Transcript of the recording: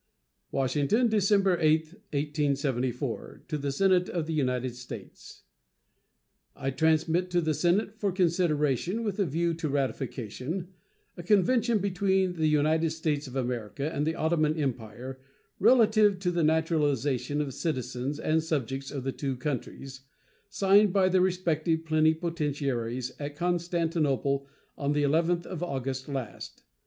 WASHINGTON, December 8, 1874. To the Senate of the United States: I transmit to the Senate, for consideration with a view to ratification, a convention between the United States of America and the Ottoman Empire, relative to the naturalization of citizens and subjects of the two countries, signed by their respective plenipotentiaries at Constantinople on the 11th of August last.